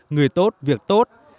người tốt việc tốt